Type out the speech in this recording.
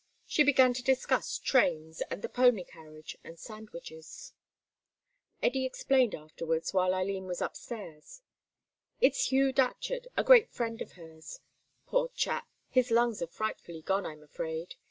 She began to discuss trains, and the pony carriage, and sandwiches. Eddy explained afterwards while Eileen was upstairs. "It's Hugh Datcherd, a great friend of hers; poor chap, his lungs are frightfully gone, I'm afraid.